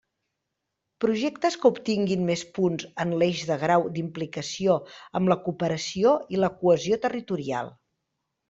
Projectes que obtinguin més punts en l'eix de grau d'implicació amb la cooperació i la cohesió territorial.